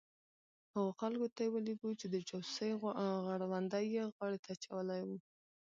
هغو خلکو ته یې ولېږو چې د جاسوسۍ غړوندی یې غاړې ته اچولي وو.